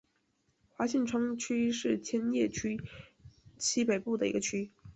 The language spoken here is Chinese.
花见川区是千叶市西北部的一个区。